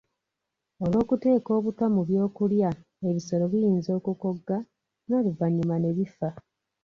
Olw'okuteeka obutwa mu by'okulya, ebisolo biyinza okukogga n'oluvannyuma ne bifa.